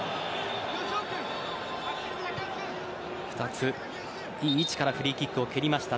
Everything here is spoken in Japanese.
２つ、いい位置からフリーキックを蹴りました